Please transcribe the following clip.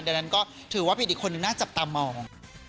ดังนั้นก็ถือว่าเป็นอีกคนนึงน่าจับตามอง